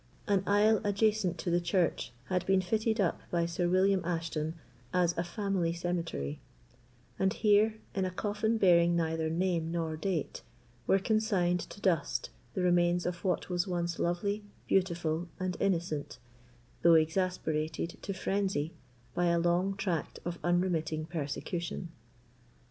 An aisle adjacent to the church had been fitted up by Sir William Ashton as a family cemetery; and here, in a coffin bearing neither name nor date, were consigned to dust the remains of what was once lovely, beautiful, and innocent, though exasperated to frenzy by a long tract of unremitting persecution.